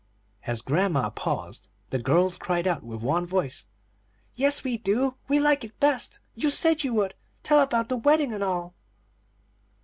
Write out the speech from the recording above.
As grandma paused, the girls cried out with one voice: "Yes, we do! we like it best. You said you would. Tell about the wedding and all."